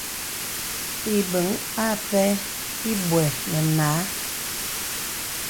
Ìbəŋ ǎ pɛ ibwə̄ nə nǎ.